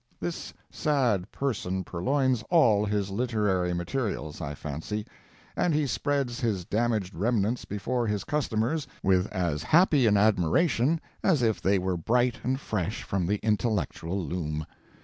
This sad person purloins all his literary materials, I fancy. And he spreads his damaged remnants before his customers with as happy an admiration as if they were bright and fresh from the intellectual loom.